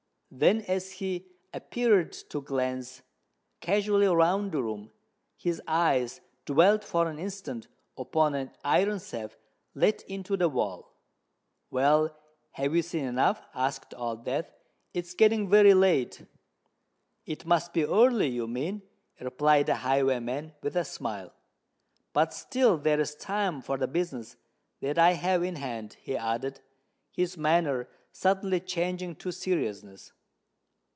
Then, as he appeared to glance casually round the room, his eyes dwelt for an instant upon an iron safe let into the wall. "Well—have you seen enough?" asked Old Death. "It's getting very late." "It must be early, you mean," replied the highwayman, with a smile. "But still there is time for the business that I have in hand," he added, his manner suddenly changing to seriousness.